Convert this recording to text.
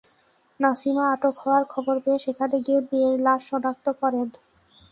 নাছিমা আটক হওয়ার খবর পেয়ে সেখানে গিয়ে মেয়ের লাশ শনাক্ত করেন।